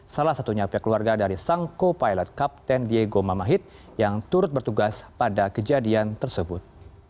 salah satunya pihak keluarga dari sang co pilot kapten diego mamahit yang turut bertugas pada kejadian tersebut